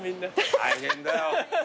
大変だよ。